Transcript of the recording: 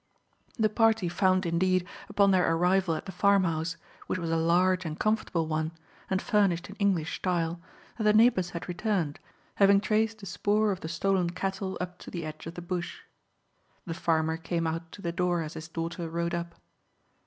The party found, indeed, upon their arrival at the farmhouse, which was a large and comfortable one, and furnished in English style, that the neighbours had returned, having traced the spoor of the stolen cattle up to the edge of the bush. The farmer came out to the door as his daughter rode up.